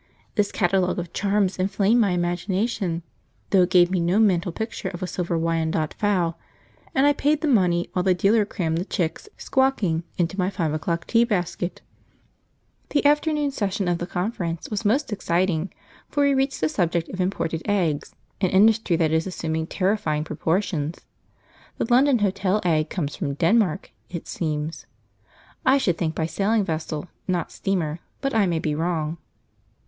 This catalogue of charms inflamed my imagination, though it gave me no mental picture of a silver Wyandotte fowl, and I paid the money while the dealer crammed the chicks, squawking into my five o'clock tea basket. {Arguing questions of diet: p81.jpg} The afternoon session of the conference was most exciting, for we reached the subject of imported eggs, an industry that is assuming terrifying proportions. The London hotel egg comes from Denmark, it seems, I should think by sailing vessel, not steamer, but I may be wrong.